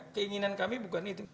keinginan kami bukan itu